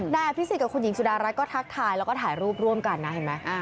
นายอภิษฎกับคุณหญิงสุดารัฐก็ทักทายแล้วก็ถ่ายรูปร่วมกันนะเห็นไหม